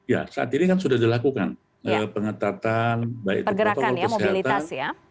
ya saat ini kan sudah dilakukan pengetatan baik itu pergerakan mobilitas ya